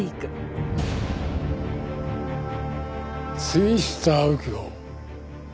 杉下右京。